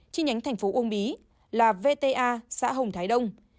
chi nhánh thành phố uông bí là vta xã hồng thái đông